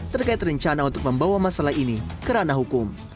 terkait rencana untuk membawa masalah ini ke ranah hukum